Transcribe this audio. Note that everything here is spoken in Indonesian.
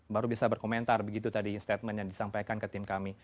baru bisa berkomentar begitu tadi statement yang disampaikan ke tim kami